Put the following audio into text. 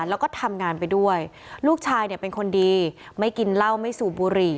แล้วก็ทำงานไปด้วยลูกชายเนี่ยเป็นคนดีไม่กินเหล้าไม่สูบบุหรี่